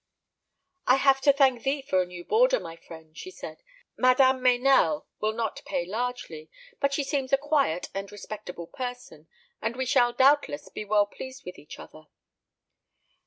"I have to thank thee for a new boarder, my friend," she said. "Madame Meynell will not pay largely; but she seems a quiet and respectable person, and we shall doubtless be well pleased with each other."